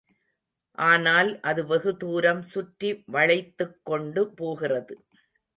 ஆனால் அது வெகுதூரம் சுற்றி வளைத்துக்கொண்டு போகிறது.